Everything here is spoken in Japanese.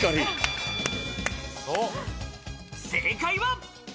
正解は？